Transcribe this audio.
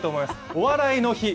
「お笑いの日」